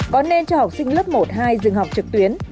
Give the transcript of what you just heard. có nên cho học sinh lớp một hai dừng học trực tuyến